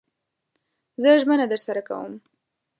زه ژمنه درسره کوم